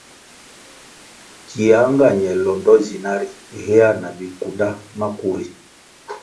Kia nga ñe londo zina ri hea na bikunda maku ri.